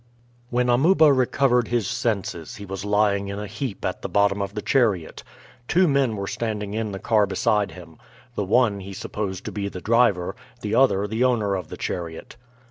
When Amuba recovered his senses he was lying in a heap at the bottom of the chariot. Two men were standing in the car beside him. The one he supposed to be the driver, the other the owner of the chariot.